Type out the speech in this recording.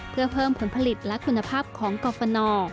เพื่อเพิ่มผลผลิตและคุณภาพของกรฟน